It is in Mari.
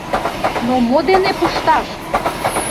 Но мо дене пушташ?